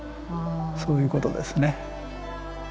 そういうことですね。